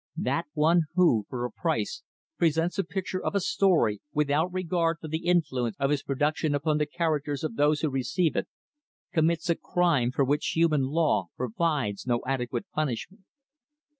That one who, for a price, presents a picture or a story without regard for the influence of his production upon the characters of those who receive it, commits a crime for which human law provides no adequate punishment.